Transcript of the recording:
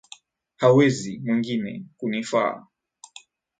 Hawezi mwingine, kunifaa.